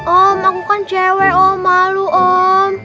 om aku kan cewek om malu om